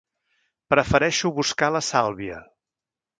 Prefereixo buscar la Sàlvia.